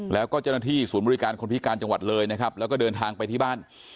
แล้วก็เจ้าหน้าที่ศูนย์บริการคนพิการจังหวัดเลยนะครับแล้วก็เดินทางไปที่บ้าน